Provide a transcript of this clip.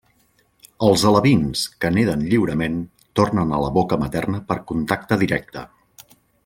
Els alevins, que neden lliurement, tornen a la boca materna per contacte directe.